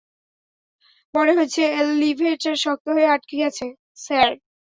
মনে হচ্ছে এলিভেটর শক্ত হয়ে আটকে গেছে, স্যার।